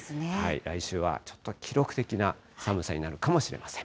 来週はちょっと記録的な寒さになるかもしれません。